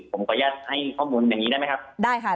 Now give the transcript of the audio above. ผมก็ยัดให้ข้อมูลแบบนี้ได้ไหมครับ